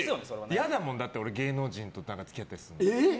嫌だもん芸能人と付き合ったりするの。